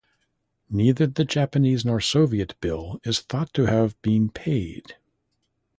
Neither the Japanese nor Soviet bill is thought to have been paid.